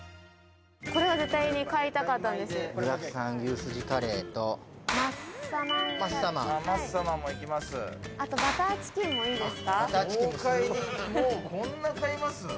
これは絶対に買いたかったんです。